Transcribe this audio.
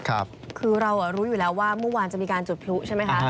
คือเรารู้อยู่แล้วว่าเมื่อวานจะมีการจุดพลุใช่ไหมคะ